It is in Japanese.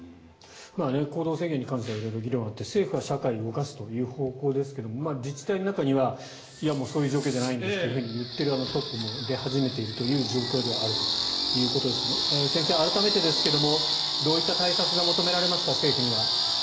行動制限に関しては色々議論があって政府は社会を動かすという方向ですが自治体の中にはいや、もうそういう状況じゃないんですと言っているトップも出始めているという状況ではあるということですが先生、改めてですがどういった対策が政府には求められますか。